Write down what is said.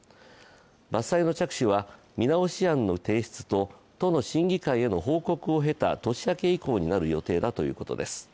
伐採の着手は見直し案の提出と都の審議会への報告を経た年明け以降になる予定だということです。